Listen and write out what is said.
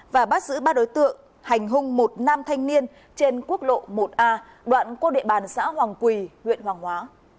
và bắt giữ ba đối tượng hành hung một nam thanh niên trên quốc lộ một a đoạn quốc địa bàn xã hoàng quỳ huyện hoàng hóa